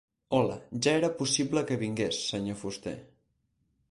Hola, ja era possible que vingués, senyor fuster.